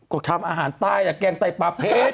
โปรดข้ามอาหารใต้แกงไต้ปลาเพชร